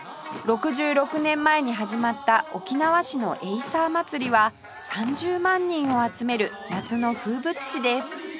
６６年前に始まった沖縄市のエイサーまつりは３０万人を集める夏の風物詩です